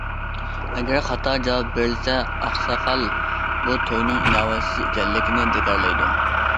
ئەگەر خاتا جاۋاب بېرىلسە، ئاقساقال بۇ توينىڭ ئىناۋەتسىز ئىكەنلىكىنى جاكارلايدۇ.